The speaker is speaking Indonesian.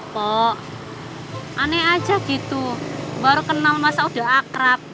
kok aneh aja gitu baru kenal masa udah akrab